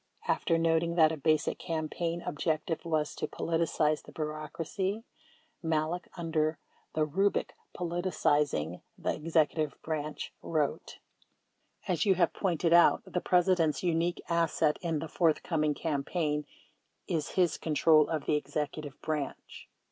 37 After noting that a basic campaign objective was to "politicize" the bureaucracy, Malek, under the rubric "Politicizing the Executive Branch," wrote : As you have pointed out, the President's unique asset in the forthcoming campaign is his control of the Executive Branch.